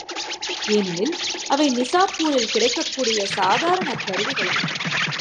ஏனெனில் அவை நிசாப்பூரில் கிடைக்கக்கூடிய சாதாரணக் கருவிகள் அல்ல.